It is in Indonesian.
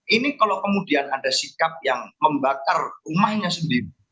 ini kalau kemudian ada sikap yang membakar rumahnya sendiri